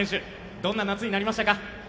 どんな夏になりましたか。